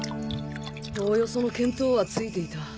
おおよその見当はついていた。